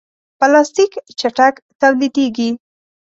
پلاستيک چټک تولیدېږي.